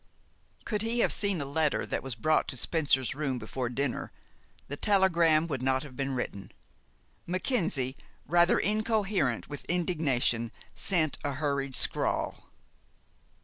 Could he have seen a letter that was brought to Spencer's room before dinner, the telegram would not have been written. Mackenzie, rather incoherent with indignation, sent a hurried scrawl.